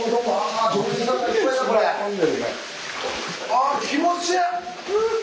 あっ気持ちいい！